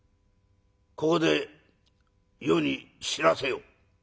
ここで余に知らせよ」。